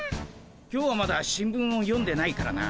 今日はまだ新聞を読んでないからな。